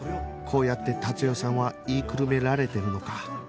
こうやって達代さんは言いくるめられてるのか